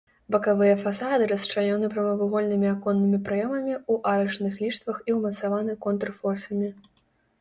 Бакавыя фасады расчлянёны прамавугольнымі аконнымі праёмамі ў арачных ліштвах і ўмацаваны контрфорсамі.